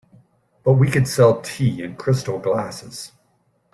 But we could sell tea in crystal glasses.